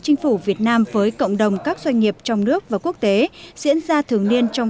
chính phủ việt nam với cộng đồng các doanh nghiệp trong nước và quốc tế diễn ra thường niên trong